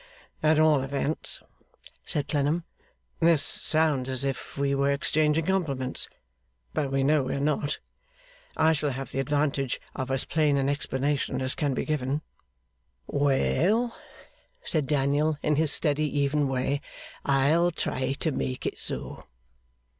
'At all events,' said Clennam 'this sounds as if we were exchanging compliments, but we know we are not I shall have the advantage of as plain an explanation as can be given.' 'Well!' said Daniel, in his steady even way, 'I'll try to make it so.